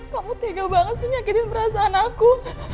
kamu tega banget sih nyakitin perasaan aku